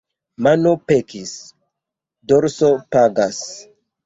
Mano pekis, dorso pagas.